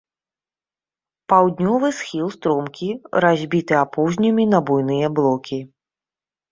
Паўднёвы схіл стромкі, разбіты апоўзнямі на буйныя блокі.